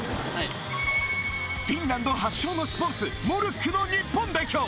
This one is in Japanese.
フィンランド発祥のスポーツモルックの日本代表